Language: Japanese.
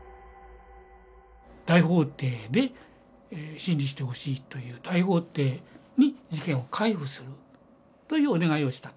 大法廷で審理してほしいという大法廷に事件を回付するというお願いをしたと。